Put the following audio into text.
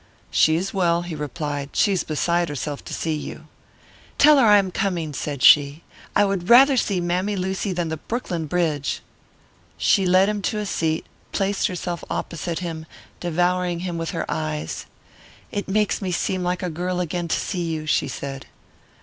"She is well," he replied. "She's beside herself to see you." "Tell her I am coming!" said she. "I would rather see Mammy Lucy than the Brooklyn Bridge!" She led him to a seat, placed herself opposite him, devouring him with her eyes. "It makes me seem like a girl again to see you," she said.